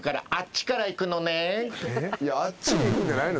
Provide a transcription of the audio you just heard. いやあっちに行くんじゃないの？